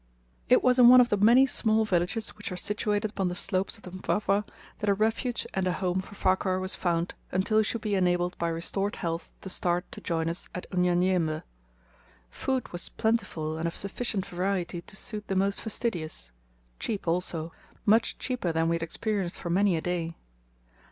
It was in one of the many small villages which are situated upon the slopes of the Mpwapwa that a refuge and a home for Farquhar was found until he should be enabled by restored health to start to join us at Unyanyembe. Food was plentiful and of sufficient variety to suit the most fastidious cheap also, much cheaper than we had experienced for many a day.